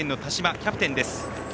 キャプテンです。